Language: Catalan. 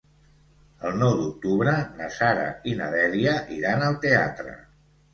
El nou d'octubre na Sara i na Dèlia iran al teatre.